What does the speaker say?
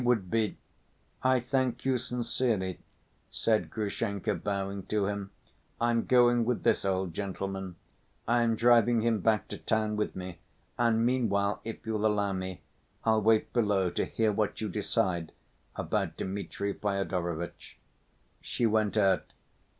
would be— "I thank you sincerely," said Grushenka, bowing to him, "I'm going with this old gentleman, I am driving him back to town with me, and meanwhile, if you'll allow me, I'll wait below to hear what you decide about Dmitri Fyodorovitch." She went out.